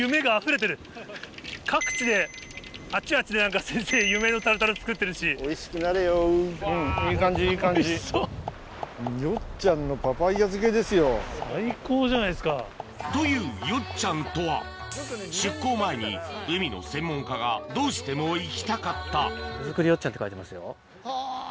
各地であっちはあっちで先生夢のタルタル作ってるし。というよっちゃんとは出港前に海の専門家がどうしても行きたかった「手づくりよっちゃん」って書いてますよ。